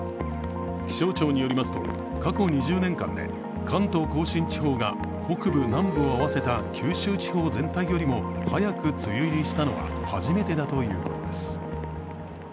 気象庁によりますと、過去２０年間で関東甲信地方が北部・南部を合わせた九州地方全体よりも早く梅雨入りしたのは初めてだということです。